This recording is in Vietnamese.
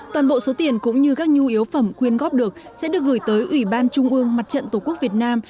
toàn bộ số tiền cũng như các nhu yếu phẩm quyên góp được sẽ được gửi tới ủy ban trung ương mặt trận tổ quốc việt nam